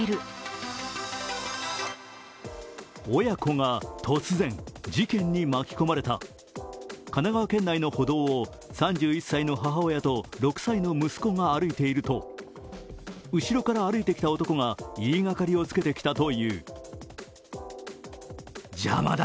親子が突然、事件に巻き込まれた神奈川県内の歩道を３１歳の母親と６歳の息子が歩いていると後ろから歩いてきた男が言いがかりをつけてきたという。